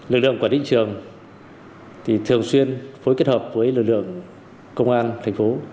lực lượng quản lý thị trường thì thường xuyên phối kết hợp với lực lượng công an thành phố